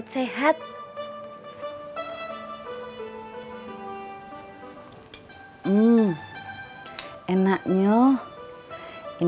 dengar dasah mak morning